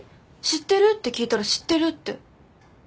知ってる？って聞いたら「知ってる」って。